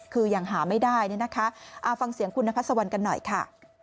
คือยังหาไม่ได้เนี่ยนะคะฟังเสียงคุณนพัศวรรณกันหน่อยค่ะ